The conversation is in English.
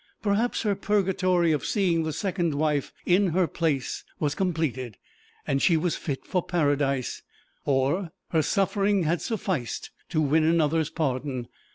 Perhaps her purgatory of seeing the second wife in her place was completed, and she was fit for Paradise, or her suffering had sufficed to win another's pardon.